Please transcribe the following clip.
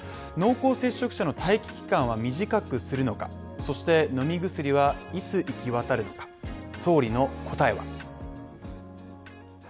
濃厚接触者の待機期間は短くするのか、そして、飲み薬は、いつ行き渡るのか、総理の答えは？